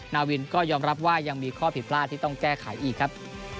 นาวินก็ยอมรับว่ายังมีข้อผิดพลาดที่ต้องแก้ไขอีกครับ